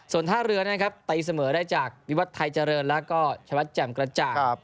ส่วนท่าเรือนะครับตีเสมอได้จากวิวัตรไทยเจริญแล้วก็ชวัดแจ่มกระจ่าง